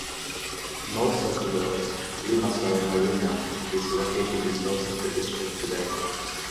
Most of the Limassol Marina is located in most of the district today.